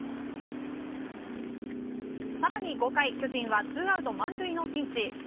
更に５回、巨人はツーアウト満塁のピンチ。